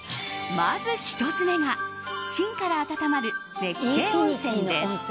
まず１つ目が芯から温まる絶景温泉です。